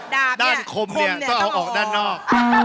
ด้านคมต้องออกออกด้านนอก